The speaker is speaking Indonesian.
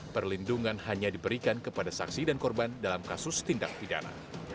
perlindungan hanya diberikan kepada saksi dan korban dalam kasus tindak pidana